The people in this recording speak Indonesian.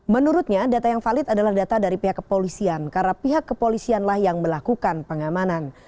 menurutnya data yang valid adalah data dari pihak kepolisian karena pihak kepolisianlah yang melakukan pengamanan